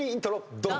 ドン！